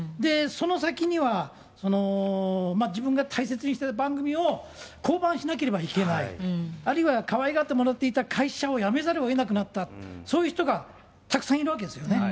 その先には、自分が大切にしてた番組を降板しなければいけない、あるいはかわいがってもらっていた会社を辞めざるをえなくなった、そういう人がたくさんいるわけですよね。